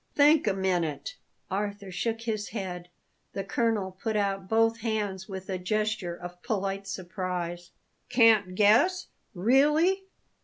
Think a minute." Arthur shook his head. The colonel put out both hands with a gesture of polite surprise. "Can't guess? Really?